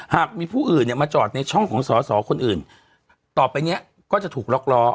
หากมีผู้อื่นเนี่ยมาจอดในช่องของสอสอคนอื่นต่อไปเนี้ยก็จะถูกล็อกล้อ